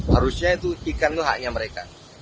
harusnya itu ikan itu haknya mereka